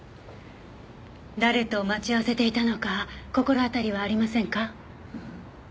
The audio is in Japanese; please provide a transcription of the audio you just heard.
誰と待ち合わせていたのか心当たりはありませんか？